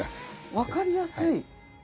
わかりやすい。